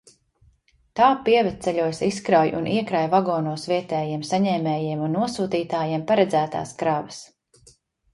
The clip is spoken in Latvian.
Tā pievedceļos izkrauj un iekrauj vagonos vietējiem saņēmējiem un nosūtītājiem paredzētās kravas.